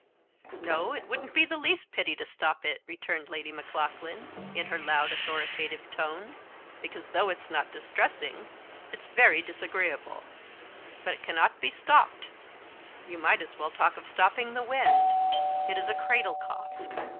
"No, it wouldn't be the least pity to stop it!" returned Lady Maclaughlan, in her loud authoritative tone; "because, though it's not distressing, it's very disagreeable. But it cannot be stopped you might as well talk of stopping the wind it is a cradle cough."